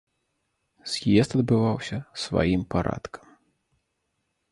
З'езд адбываўся сваім парадкам.